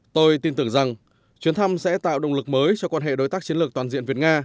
tôi tin tưởng rằng chuyến thăm sẽ tạo động lực mới cho quan hệ đối tác chiến lược toàn diện việt nga